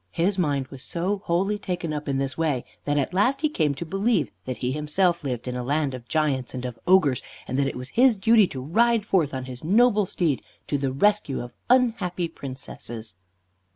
His mind was so wholly taken up in this way that at last he came to believe that he himself lived in a land of giants and of ogres, and that it was his duty to ride forth on his noble steed, to the rescue of unhappy Princesses.